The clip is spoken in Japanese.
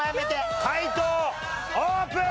解答オープン！